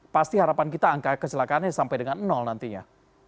pasti harapan kita angka kecelakaannya sampai dengan nantinya